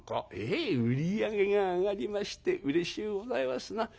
「ええ売り上げが上がりましてうれしゅうございますな」。